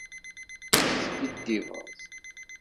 Teskiddibeḍ.